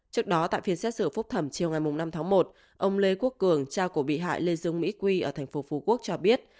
trước đó tại phiên xét xử phúc thẩm chiều ngày năm tháng một ông lê quốc cường cha của bị hại lê dương mỹ quy ở thành phố phú quốc cho biết